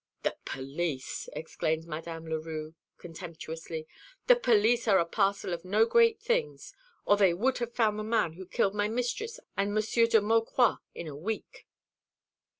"The police!" exclaimed Madame Leroux contemptuously; "the police are a parcel of no great things, or they would have found the man who killed my mistress and Monsieur de Maucroix in a week."